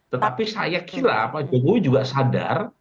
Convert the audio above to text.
tetapi saya kira pak jokowi juga sadar